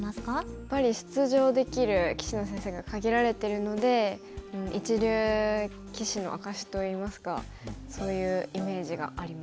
やっぱり出場できる棋士の先生が限られてるので一流棋士の証しといいますかそういうイメージがありますね。